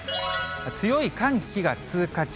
強い寒気が通過中。